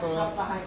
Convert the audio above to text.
はい。